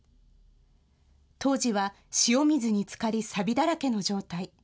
当時は塩水につかり、さびだらけの状態。